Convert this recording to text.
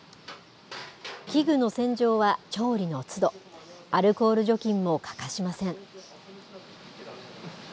器具の洗浄は調理のつどアルコール除菌も欠かしません。